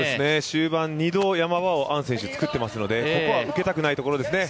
終盤２度ヤマ場をアン選手はつくっていますので、ここは受けたくないところですね。